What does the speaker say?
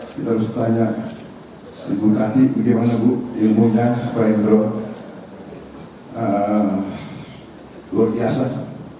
kita harus tanya ibu tadi bagaimana bu ilmunya supaya berubah